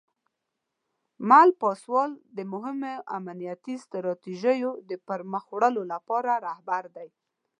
مل پاسوال د مهمو امنیتي ستراتیژیو د پرمخ وړلو لپاره رهبر دی.